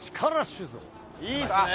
いいですね。